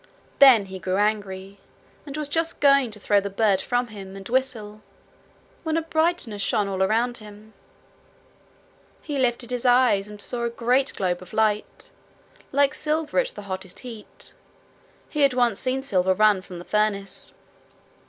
Then he grew angry, and was just going to throw the bird from him and whistle, when a brightness shone all round him. He lifted his eyes, and saw a great globe of light like silver at the hottest heat: he had once seen silver run from the furnace.